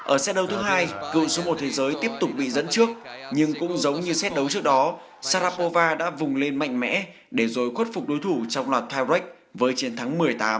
ở xét đấu thứ hai cựu số một thế giới tiếp tục bị dẫn trước nhưng cũng giống như xét đấu trước đó sarakova đã vùng lên mạnh mẽ để rồi khuất phục đối thủ trong loạt time rex với chiến thắng một mươi tám